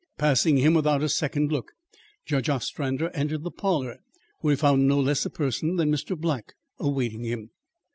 Passing him without a second look, Judge Ostrander entered the parlour where he found no less a person than Mr. Black awaiting him.